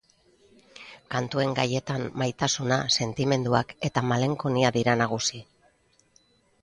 Kantuen gaietan maitasuna, sentimenduak eta malenkonia dira nagusi.